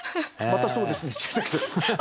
本当そうですね。